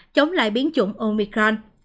chống lại biến chủng omicron